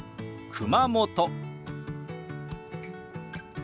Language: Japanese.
熊本。